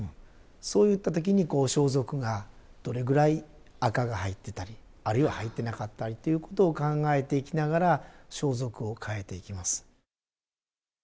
そういった時にこう装束がどれぐらい紅が入ってたりあるいは入ってなかったりということを考えていきながら装束を変えていきます。